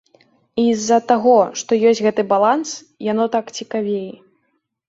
І з-за таго, што ёсць гэты баланс, яно так цікавей.